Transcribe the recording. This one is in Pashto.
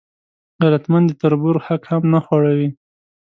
غیرتمند د تربور حق هم نه خوړوي